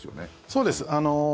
そうです。